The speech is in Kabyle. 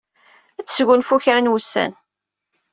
Ad tesgunfu kra n wussan.